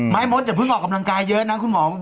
มดอย่าเพิ่งออกกำลังกายเยอะนะคุณหมอ